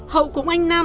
hậu cũng anh nam